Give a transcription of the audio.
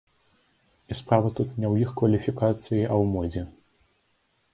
І справа тут не ў іх кваліфікацыі, а ў модзе.